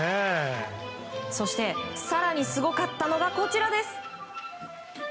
そして更にすごかったのがこちらです。